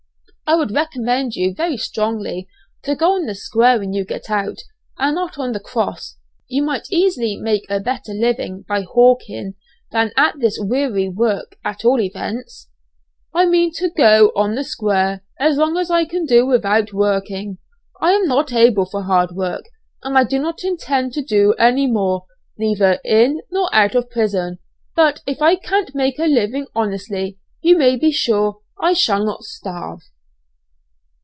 "I would recommend you very strongly to go on the square when you get out, and not on the cross; you might easily make a better living by hawking than at this weary work, at all events." "I mean to go on the square as long as I can do without working, I am not able for hard work and I do not intend to do any more, neither in nor out of prison; but if I can't make a living honestly you may be sure I shall not starve."